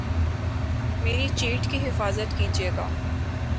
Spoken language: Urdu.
میری چیٹ کی حفاظت کیجئے گا